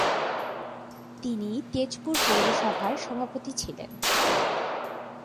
তিনি তেজপুর পৌরসভার সভাপতি ছিলেন।